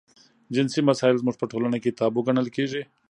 جنسي مسایل زموږ په ټولنه کې تابو ګڼل کېږي.